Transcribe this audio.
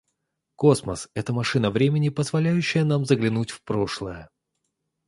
Космос - это машина времени, позволяющая нам заглянуть в прошлое.